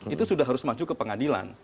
itu sudah harus maju ke pengadilan